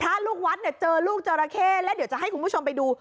ลูกวัดเนี่ยเจอลูกจราเข้แล้วเดี๋ยวจะให้คุณผู้ชมไปดู